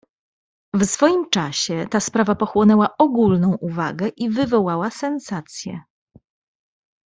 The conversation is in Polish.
"W swoim czasie ta sprawa pochłonęła ogólną uwagę i wywołała sensację."